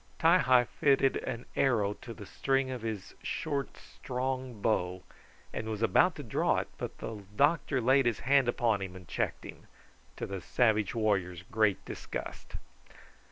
Ti hi fitted an arrow to the string of his short, strong bow, and was about to draw it, but the doctor laid his hand upon him and checked him, to the savage warrior's great disgust.